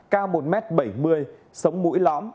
cao một m bảy mươi sống mũi lõm